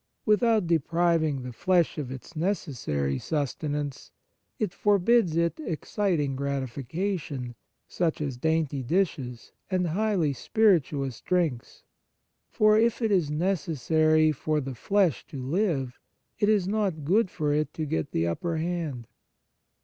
Without depriving the flesh of its necessary sustenance, it forbids it exciting gratification, such as dainty dishes and highly spirituous drinks ; for, if it is necessary for the flesh to live, it isnotgood for it to get the upper hand.